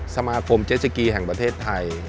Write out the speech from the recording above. สมาคมเจสสกีแห่งประเทศไทย